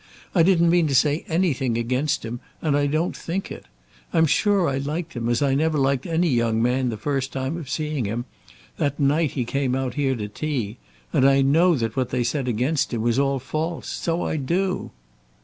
I didn't mean to say anything against him, and I don't think it. I'm sure I liked him as I never liked any young man the first time of seeing him, that night he came out here to tea; and I know that what they said against him was all false. So I do."